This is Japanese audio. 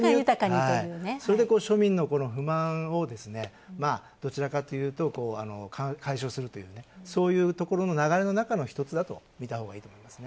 それで庶民の不満をどちらかというと解消するというかそういうところの流れの中の一つだとみたほうがいいと思いますね